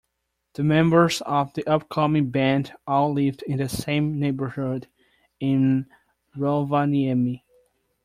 The members of the upcoming band all lived in the same neighborhood in Rovaniemi.